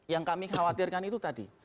yang kami khawatirkan itu tadi